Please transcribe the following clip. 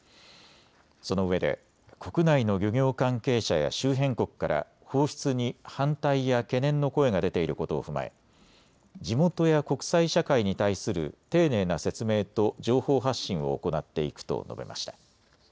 そのうえで国内の漁業関係者や周辺国から放出に反対や懸念の声が出ていることを踏まえ地元や国際社会に対する丁寧な説明と情報発信を行っていくと述べました。